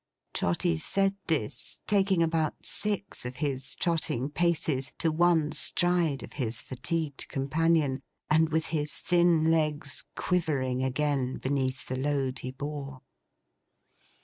Trotty said this, taking about six of his trotting paces to one stride of his fatigued companion; and with his thin legs quivering again, beneath the load he bore.